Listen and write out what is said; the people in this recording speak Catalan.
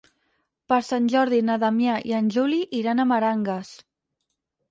Per Sant Jordi na Damià i en Juli iran a Meranges.